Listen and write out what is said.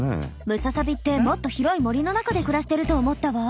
ムササビってもっと広い森の中で暮らしてると思ったわ。